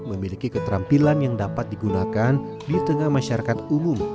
memiliki keterampilan yang dapat digunakan di tengah masyarakat umum